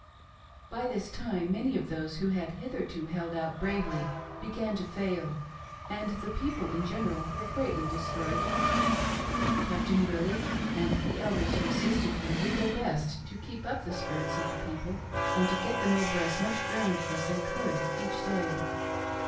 "By this time many of those who had hitherto held out bravely began to fail, and the people in general were greatly discouraged. Captain Willie and the Elders who assisted THE PRESENTIMENT OF APPROACHING DEATH. 221 him did their best to keep up the spirits of the people and to get them over as much ground as they could each day.